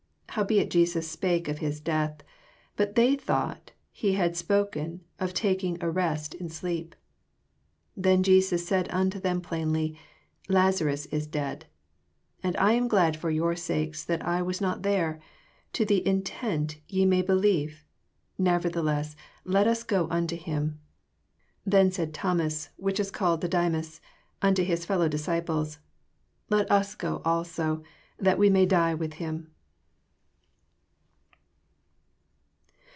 13 HowbeitJesusspake of his death: but they thought that he had spoken of talcing of rest in sleep. 14 Then said Jesus unto them plain ly, Lazarus is dead. 15 And I un glad for your Bakes that I was not there, to the intent ye may believe; nevertheless let us go unto him. 16 Then said Thomas, which is called Didymus, unto his fellow dis ciples. Let us also go, that we maj die with him.